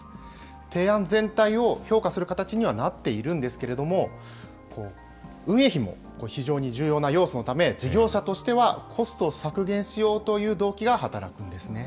提案全体を評価する形にはなっているんですけれども、運営費も非常に重要な要素のため、事業者としてはコストを削減しようという動機が働くんですね。